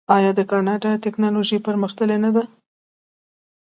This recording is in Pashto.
آیا د کاناډا ټیکنالوژي پرمختللې نه ده؟